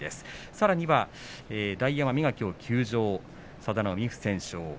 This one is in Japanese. さらには大奄美がきょう休場佐田の海、不戦勝。